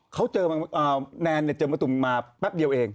เขาเจอแนนเนี่ยเจอมะตูมมาแป๊บเดียวเอง